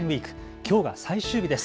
きょうが最終日です。